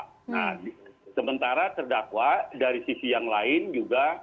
nah sementara terdakwa dari sisi yang lain juga